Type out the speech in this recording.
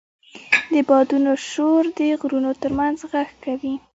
د بادونو شور د غرونو تر منځ غږ کوي.